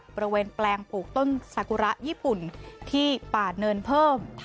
บริเวณแปลงปลูกต้นสากุระญี่ปุ่นที่ป่าเนินเพิ่ม